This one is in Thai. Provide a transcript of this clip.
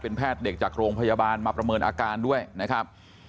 แพทย์เด็กจากโรงพยาบาลมาประเมินอาการด้วยนะครับ